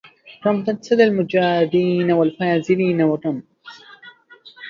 كم تقصد الماجدين الفاضلين وكم